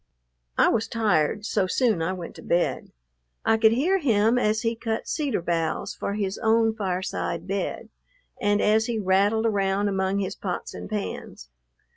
I was tired, so soon I went to bed. I could hear him as he cut cedar boughs for his own fireside bed, and as he rattled around among his pots and pans.